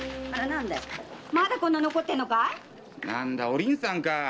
何だお凛さんか。